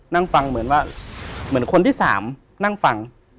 นั่งฟังเหมือนว่าเหมือนคนที่สามนั่งฟัง